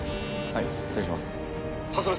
はい。